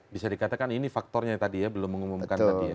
bisa dikatakan ini faktornya tadi ya belum mengumumkan tadi ya